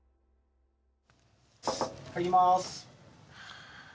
・入ります。